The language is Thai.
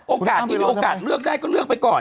โอกาสดีมีโอกาสเลือกได้ก็เลือกไปก่อน